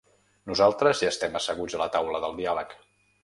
Nosaltres ja estem asseguts a la taula del diàleg.